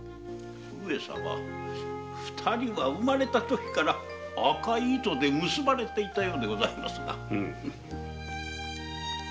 二人は生まれたときから赤い糸で結ばれていたようでございますな。